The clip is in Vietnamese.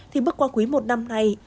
thì bước qua quý một năm nay